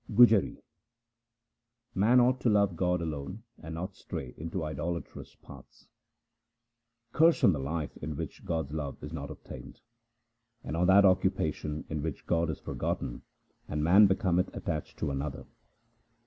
Gujari Man ought to love God alone and not stray into idolatrous paths :— Curse on the life in which God's love is not obtained, And on that occupation in which God is forgotten and man becometh attached to another.